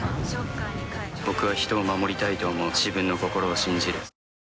僕は人を守りたいと思う自分の心を信じる。